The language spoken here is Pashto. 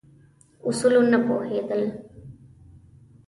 اصولو نه پوهېدل.